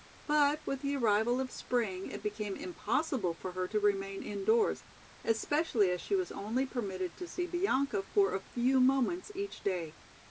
But with the arrival of spring it became impossible for her to remain indoors, especially as she was only permitted to see Bianca for a few moments each day.